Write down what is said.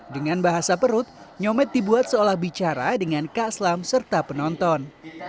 dengan bahasa perut nyomet dibuat seolah bicara dengan kak selam serta penonton